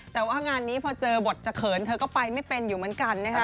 แต่ว่างานนี้พอเจอบทจะเขินเธอก็ไปไม่เป็นอยู่เหมือนกันนะคะ